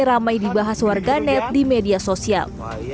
ramai dibahas warga net di media sosial